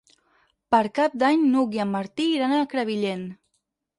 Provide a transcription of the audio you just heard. Per Cap d'Any n'Hug i en Martí iran a Crevillent.